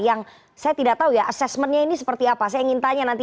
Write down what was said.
yang saya tidak tahu ya assessmentnya ini seperti apa saya ingin tanya nanti